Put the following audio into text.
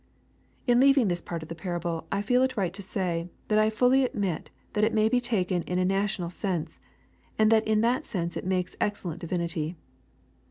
In leaving this part of the parable, T feel it right to say, that I fully admit that it may be taken in a national sense, and that in that sense it makes excellent divinity.